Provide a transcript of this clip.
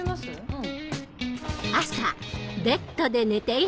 うん。